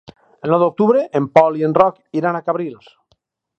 El nou d'octubre en Pol i en Roc iran a Cabrils.